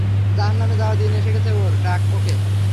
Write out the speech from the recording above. জাহান্নামে যাওয়ার দিন এসে গেছে ওর, ডাক ওকে!